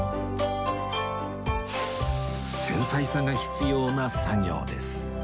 繊細さが必要な作業です